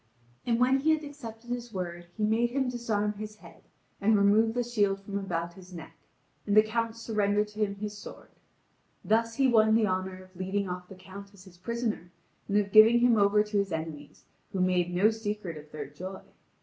And when he had accepted his word he made him disarm his head and remove the shield from about his neck, and the Count surrendered to him his sword. Thus he won the honour of leading off the Count as his prisoner, and of giving him over to his enemies, who make no secret of their joy.